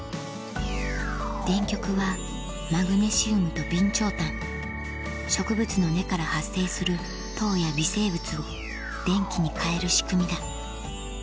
電極はマグネシウムと備長炭植物の根から発生する糖や微生物を電気に変える仕組みだ